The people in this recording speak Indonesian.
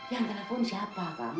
yang telepon siapa bang